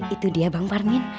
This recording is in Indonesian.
itu dia bang parmin